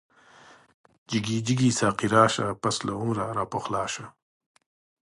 جگی جگی ساقی راشه، پس له عمره را پخلاشه